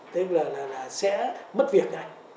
tức là sẽ mất việc